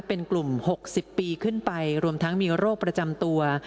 เป็นกลุ่ม๖๐ปีขึ้นไปรวมทั้งมีโรคประจำตัว